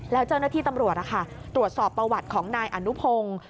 แล้วเจ้าหน้าที่ตำรวจตรวจสอบประวัติของนายอนุพงศ์